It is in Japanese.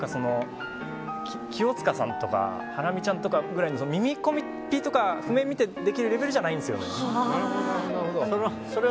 清塚さんとかハラミちゃんとか耳コピで譜面見てできるレベルじゃないんですよね。